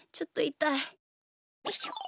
よいしょ。